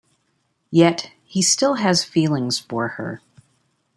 Yet, he still has feelings for her.